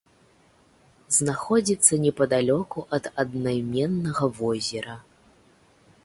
Знаходзіцца непадалёку ад аднайменнага возера.